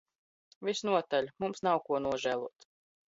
Visnotaļ, mums nav ko nožēlot.